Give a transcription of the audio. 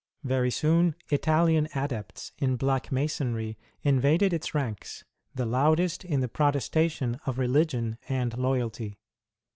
Very soon, Italian adepts in black Masonry invaded its ranks, the loudest in the protestation of religion and loyalty.